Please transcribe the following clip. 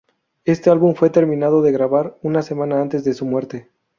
Este álbum fue terminado de grabar una semana antes de su muerte.